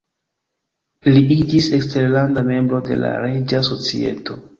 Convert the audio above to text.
Li iĝis eksterlanda membro de la Reĝa Societo.